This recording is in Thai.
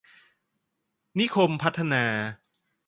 นิคมพัฒนา